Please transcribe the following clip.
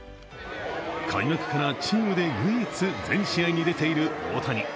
開幕からチームで唯一全試合に出ている大谷。